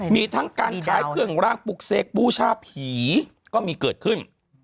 มีทั้งการขายเครื่องรางปลุกเสกบูชาผีก็มีเกิดขึ้น